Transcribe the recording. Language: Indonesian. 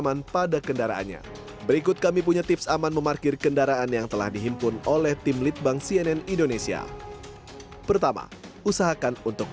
ibu beral kita mementukan beberapa new orai yang sedang senloh sejumlah najlepon dalam lock untuk